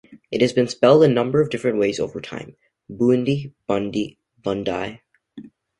It has been spelled a number of different ways over time, Boondi, Bundi, Bundye.